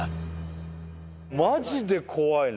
マジで怖いね。